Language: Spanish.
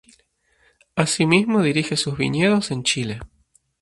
Asimismo dirige sus viñedos en Chile.